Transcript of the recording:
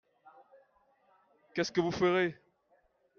Qu'est-ce que vous ferez ?